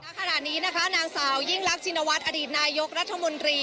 แล้วขณะนี้นะคะนางสาวยิ่งลักษณวร์ชินวัตรอดีตนายยกรัฐมนตรี